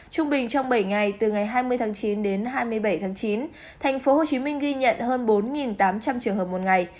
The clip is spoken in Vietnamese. trung bình trong bảy ngày từ ngày hai mươi tháng chín đến hai mươi bảy tháng chín tp hcm ghi nhận hơn bốn tám trăm linh trường hợp một ngày